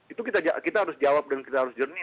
itu kita harus jawab dan kita harus jernih